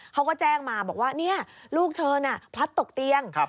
เขาก็แจ้งมาบอกว่าลูกเธอน่ะพลัดตกเตียง